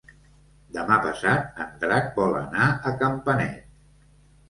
Demà passat en Drac vol anar a Campanet.